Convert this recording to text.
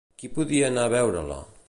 Qui podia anar a veure-la?